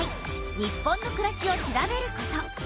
日本のくらしを調べること。